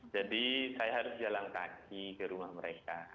jadi saya harus jalan kaki ke rumah mereka